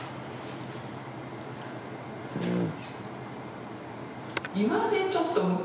うん。